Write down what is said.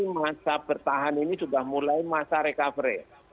masa bertahan ini sudah mulai masa recovery